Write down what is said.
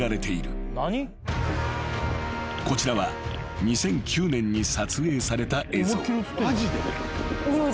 ［こちらは２００９年に撮影された映像］